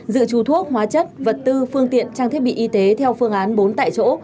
dự trù thuốc hóa chất vật tư phương tiện trang thiết bị y tế theo phương án bốn tại chỗ